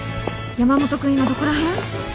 山本君今どこら辺？